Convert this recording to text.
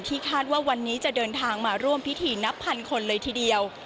คาดว่าวันนี้จะเดินทางมาร่วมพิธีนับพันคนเลยทีเดียว